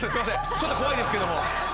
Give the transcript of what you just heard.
ちょっと怖いですけども。